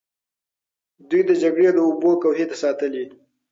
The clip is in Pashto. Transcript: دوی د جګړې د اوبو کوهي ساتلې.